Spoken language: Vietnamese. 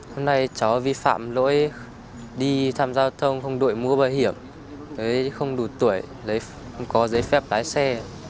hôm nay cháu vi phạm lỗi đi tham giao thông không đội mũ bảo hiểm không đủ tuổi không có giấy phép lái xe